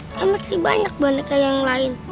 emang masih banyak boneka yang lain